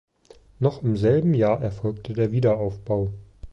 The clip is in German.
Noch im selben Jahre erfolgte der Wiederaufbau.